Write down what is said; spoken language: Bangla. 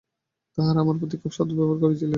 তাঁহারা আমার প্রতি খুব সদ্ব্যবহার করিয়াছিলেন।